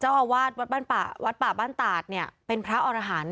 ใจอดีตเจ้าอาวาสวัดป่าบ้านต่าเนี่ยเป็นพระอรหาร